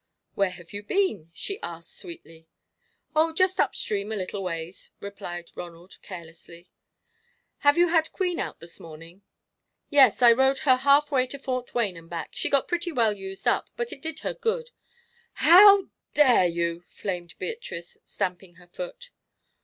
"Where have you been?" she asked sweetly. "Oh, just up stream a little ways," replied Ronald, carelessly. "Have you had Queen out this morning?" "Yes, I rode her half way to Fort Wayne and back. She got pretty well used up, but it did her good." "How dare you!" flamed Beatrice, stamping her foot.